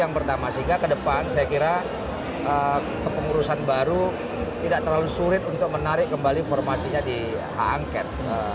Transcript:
yang pertama sehingga ke depan saya kira kepengurusan baru tidak terlalu sulit untuk menarik kembali formasinya di hak angket